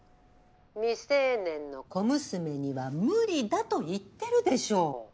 未成年の小娘には無理だと言ってるでしょ。